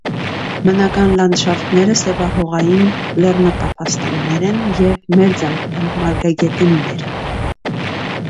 Բնական լանդշաֆտները սևահողային լեռնատափաստաններ են և մերձալպյան մարգագետինները։